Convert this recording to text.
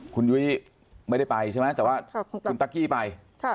คุณยุ้ยไม่ได้ไปใช่ไหมแต่ว่าคุณตั๊กกี้ไป